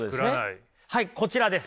はいこちらです。